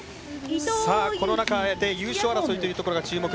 この中優勝争いというところが注目。